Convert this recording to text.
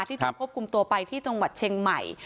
ที่ถูกควบคุมตัวไปที่จังหวัดเชียงใหม่